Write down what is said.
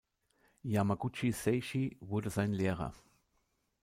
Yamaguchi Seishi wurde sein Lehrer.